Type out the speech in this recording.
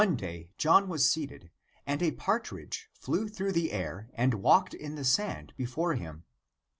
One aay John was seated and a partridge flew through the air and walked in the sand before him.